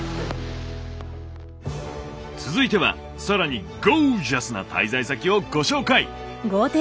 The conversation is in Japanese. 続いては更にゴージャスな滞在先をご紹介！